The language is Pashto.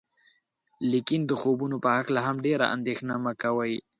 لیکن د خوبونو په هکله هم ډیره اندیښنه مه کوئ.